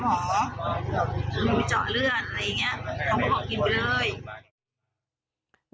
หนูเจาะเลือดอะไรอย่างเงี้ยเขาก็ขอกินไปเลย